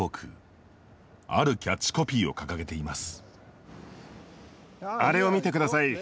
あるキャッチコピーを掲げています。